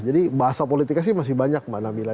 jadi bahasa politiknya sih masih banyak mbak nabila